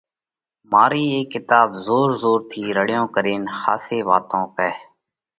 مارئِي اي ڪِتاٻ زور زور ٿِي رڙيون ڪرينَ ۿاسي واتون ڪئه